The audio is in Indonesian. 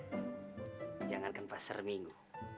wah jangankan pasar minggu